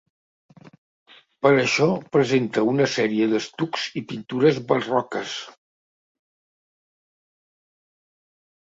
Per això presenta una sèrie d'estucs i pintures barroques.